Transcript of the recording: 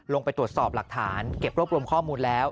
ลงไปตรวจสอบหลักฐานเก็บรวบรวมข้อมูลแล้ว